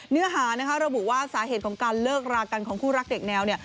เนื้อหานะคะระบุว่าสาเหตุของการเลิกรากันของคู่รักเด็กแนวเนี่ย